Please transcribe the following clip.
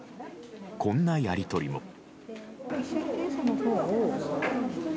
こんなやり取りも。